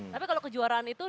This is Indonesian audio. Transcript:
tapi kalau kejuaraan itu